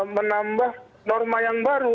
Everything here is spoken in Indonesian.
menambah norma yang baru